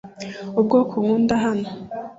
Ubwoko nkunda hano .